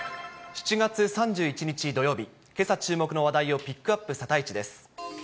７月３１日土曜日、けさ注目の話題をピックアップ、サタイチです。